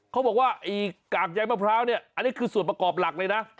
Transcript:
เขาบอกว่าไอ้กากใยมะพร้าวเนี่ยอันนี้คือส่วนประกอบหลักเลยนะ